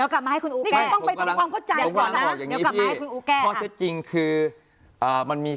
เอา้งี้